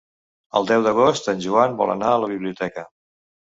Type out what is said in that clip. El deu d'agost en Joan vol anar a la biblioteca.